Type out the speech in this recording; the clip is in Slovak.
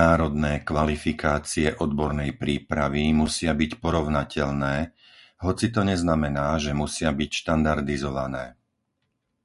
Národné kvalifikácie odbornej prípravy musia byť porovnateľné, hoci to neznamená, že musia byť štandardizované.